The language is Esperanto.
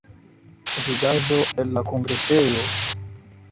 Vidaĵo el la kongresejo.